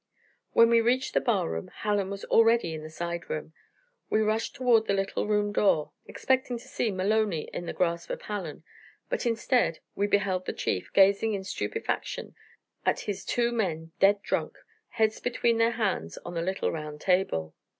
When we reached the bar room, Hallen was already in the side room. We rushed toward the little room door, expecting to see Maloney in the grasp of Hallen; but instead, we beheld the Chief gazing in stupefaction at his two men dead drunk, heads between their hands on the little round table.